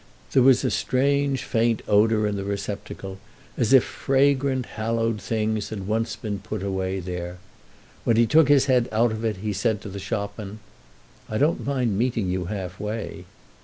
There was a strange, faint odour in the receptacle, as if fragrant, hallowed things had once been put away there. When he took his head out of it he said to the shopman: "I don't mind meeting you halfway."